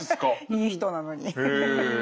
いい人なのに。へ。